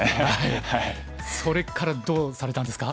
それからどうされたんですか？